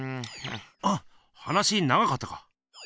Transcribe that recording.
あっ話長かったか？